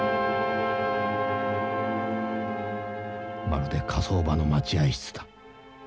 まるで火葬場の待合室だ。